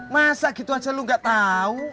masa gitu aja lu gak tau